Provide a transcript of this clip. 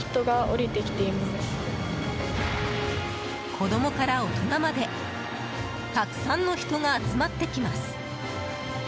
子供から大人までたくさんの人が集まってきます。